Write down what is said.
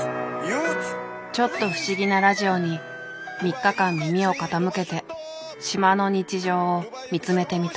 ちょっと不思議なラジオに３日間耳を傾けて島の日常を見つめてみた。